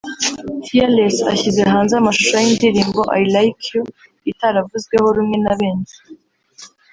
Fearless ashyize hanze amashusho y’indirimbo “I Like You” itaravuzweho rumwe na benshi